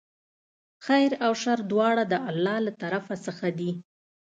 خیر او شر دواړه د الله له طرفه څخه دي.